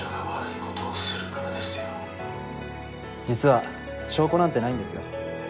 実は証拠なんてないんですよ。